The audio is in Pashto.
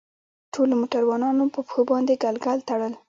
ټولو موټروانانو په پښو باندې ګلګل تړل.